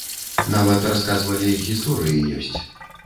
Нават, расказвалі, гісторыі ёсць.